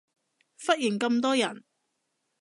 忽然咁多人